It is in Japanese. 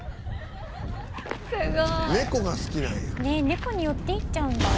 猫に寄っていっちゃうんだ」